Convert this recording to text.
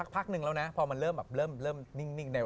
พักนึงแล้วนะ